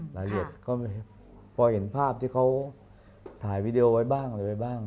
รายละเอียดก็พอเห็นภาพที่เขาถ่ายวีดีโอไว้บ้างอะไรไว้บ้าง